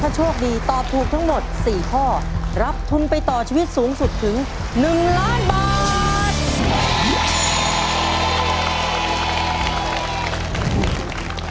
โชคดีตอบถูกทั้งหมด๔ข้อรับทุนไปต่อชีวิตสูงสุดถึง๑ล้านบาท